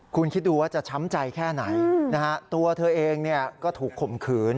คุณคิดดูว่าจะช้ำใจแค่ไหนนะฮะตัวเธอเองก็ถูกข่มขืน